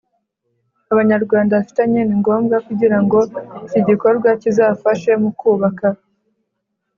Abanyarwanda bafitanye ni ngombwa Kugira ngo iki gikorwa kizafashe mu kubaka